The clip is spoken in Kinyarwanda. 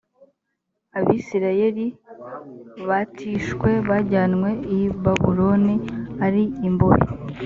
abisirayeli batishwe bajyanywe i babuloni ari imbohe